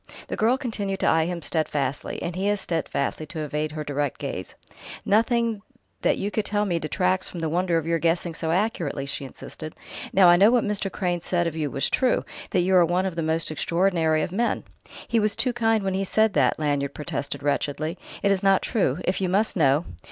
The girl continued to eye him steadfastly, and he as steadfastly to evade her direct gaze. "Nothing that you tell me detracts from the wonder of your guessing so accurately," she insisted. "Now I know what Mr. Crane said of you was true, that you are one of the most extraordinary of men." "He was too kind when he said that," Lanyard protested wretchedly. "It is not true. If you must know...."